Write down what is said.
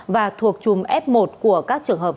và thuộc chùm f một của các trường hợp